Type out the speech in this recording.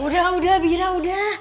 udah udah bira udah